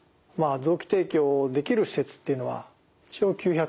臓器提供できる施設っていうのは一応９００施設ぐらい。